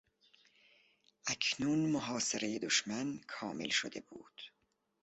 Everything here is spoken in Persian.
اکنون محاصرهی دشمن کامل شده بود.